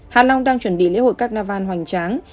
hà long đang chuẩn bị lễ hội cát navan hoành tráng